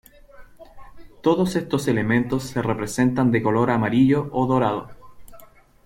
Todos estos elementos se representan de color amarillo o dorado.